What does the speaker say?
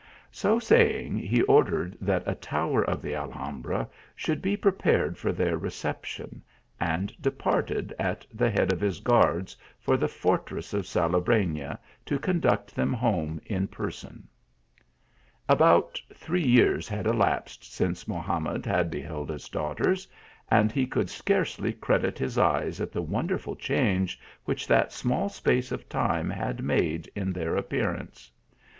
" So saying, he ordered that a tower of the Alham bra should be prepared for their reception, and de parted at the head of his guards for the fortress of Salobreiia, to conduct them home in person. About three years had elapsed since Mohamed had beheld his daughters, and he could scarcely credit his eyes at the wonderful change which that small space of time had made in their appearance.